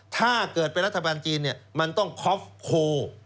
ถ้าเกิดเป็นรัฐบาลจีนมันต้องคอฟโคล